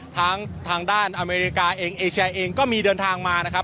ทางด้านอเมริกาเองเอเชียเองก็มีเดินทางมานะครับ